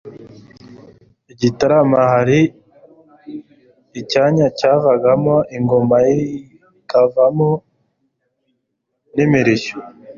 i Gitarama, hari icyanya cyavagamo ingoma kikavamo n'imirishyo.